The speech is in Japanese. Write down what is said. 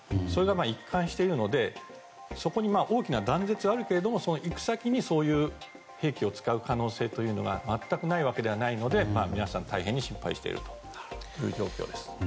それが一貫しているのでそこに大きな断絶はあるけれどもその行く先にそういう兵器を使う可能性が全くないわけではないので皆さん大変に心配している状況です。